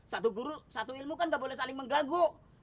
satu guru satu ilmu kan gak boleh saling mengganggu